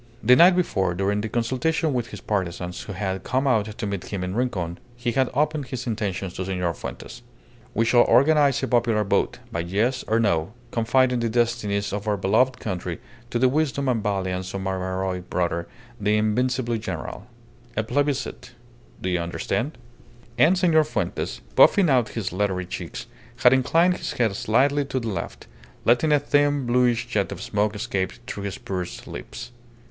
The night before, during the consultation with his partisans, who had come out to meet him in Rincon, he had opened his intentions to Senor Fuentes "We shall organize a popular vote, by yes or no, confiding the destinies of our beloved country to the wisdom and valiance of my heroic brother, the invincible general. A plebiscite. Do you understand?" And Senor Fuentes, puffing out his leathery cheeks, had inclined his head slightly to the left, letting a thin, bluish jet of smoke escape through his pursed lips.